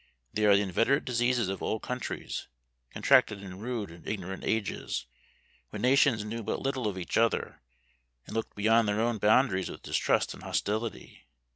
They are the inveterate diseases of old countries, contracted in rude and ignorant ages, when nations knew but little of each other, and looked beyond their own boundaries with distrust and hostility.